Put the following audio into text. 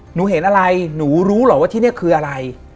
หนูเห็นอะไรหนูรู้เหรอว่าที่นี่คืออะไร